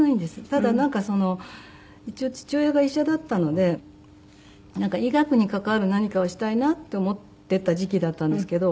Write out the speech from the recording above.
ただなんかその一応父親が医者だったのでなんか医学に関わる何かをしたいなって思っていた時期だったんですけど。